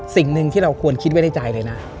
สิ่งหนึ่งที่เราควรคิดไว้ในใจเลยนะ